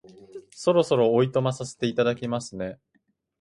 そろそろお暇させていただきますね